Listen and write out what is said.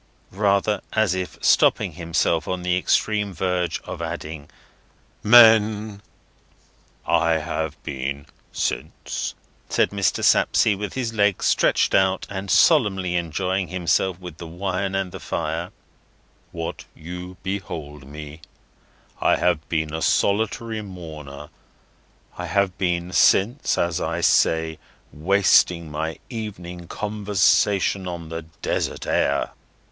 —rather as if stopping himself on the extreme verge of adding—"men!" "I have been since," says Mr. Sapsea, with his legs stretched out, and solemnly enjoying himself with the wine and the fire, "what you behold me; I have been since a solitary mourner; I have been since, as I say, wasting my evening conversation on the desert air.